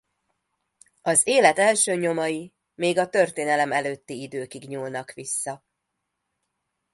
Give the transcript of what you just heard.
Az élet első nyomai még a történelem előtti időkig nyúlnak vissza.